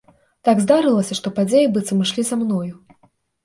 Так здарылася, што падзеі быццам ішлі за мною.